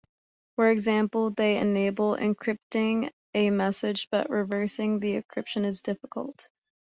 For example, they enable encrypting a message, but reversing the encryption is difficult.